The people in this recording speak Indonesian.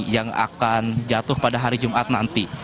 yang akan jatuh pada hari jumat nanti